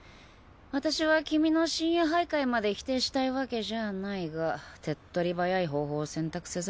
私は君の深夜徘徊まで否定したいわけじゃあないが手っ取り早い方法を選択せざるを得ない。